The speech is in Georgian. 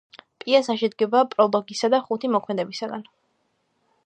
პიესა შედგება პროლოგისა და ხუთი მოქმედებისაგან.